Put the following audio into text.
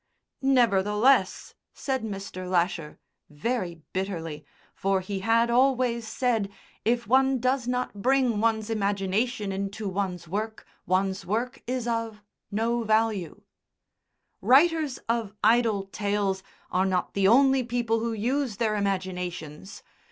"Nevertheless," said Mr. Lasher, very bitterly (for he had always said, "If one does not bring one's imagination into one's work one's work is of no value"), "writers of idle tales are not the only people who use their imaginations.